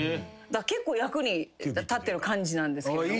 結構役に立ってる幹事なんですけれども。